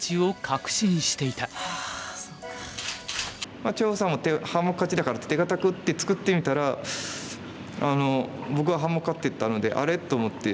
まあ張栩さんも半目勝ちだからって手堅く打って作ってみたら僕が半目勝ってたので「あれ？」と思って。